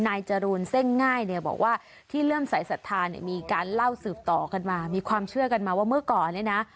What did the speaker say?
จรูนเส้งง่ายเนี่ยบอกว่าที่เริ่มสายศรัทธาเนี่ยมีการเล่าสืบต่อกันมามีความเชื่อกันมาว่าเมื่อก่อนเนี่ยนะ